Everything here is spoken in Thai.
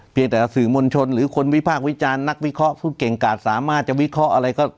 แต่สื่อมวลชนหรือคนวิพากษ์วิจารณ์นักวิเคราะห์ผู้เก่งกาดสามารถจะวิเคราะห์อะไรก็